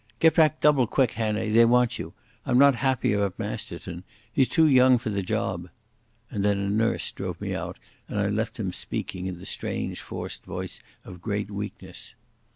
"Get back double quick, Hannay. They want you. I'm not happy about Masterton. He's too young for the job." And then a nurse drove me out, and I left him speaking in the strange forced voice of great weakness.